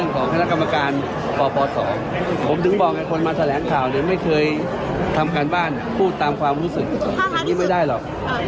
ของคณะกรรมการปปศผมถึงบอกให้คนมาแถลงข่าวเนี่ยไม่เคยทำการบ้านพูดตามความรู้สึกอย่างนี้ไม่ได้หรอก